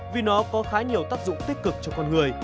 vì nó có khá nhiều tác dụng tích cực cho con người